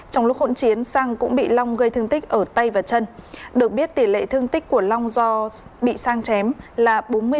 trong lúc hỗn chiến sang cũng bị long gây thương tích ở tay và chân được biết tỷ lệ thương tích của long do bị sang chém là bốn mươi năm